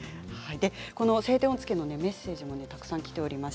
「青天を衝け」のメッセージもたくさんきています。